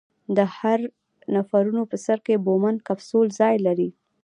د هر نفرون په سر کې بومن کپسول ځای لري.